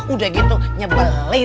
udah gitu nyebelin